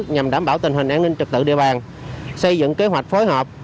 nhằm đảm bảo tình hình an ninh trực tự địa bàn xây dựng kế hoạch phối hợp